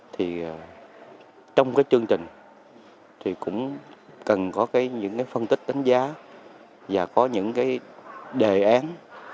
thì trong cái chương trình thì cũng cần có những cái phân tích đánh giá và có những cái đề án